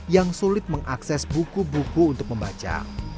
yang sulit mengakses buku buku untuk membaca